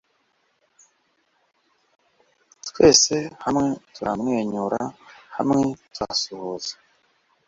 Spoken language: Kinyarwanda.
twese hamwe turamwenyura, hamwe turasuhuza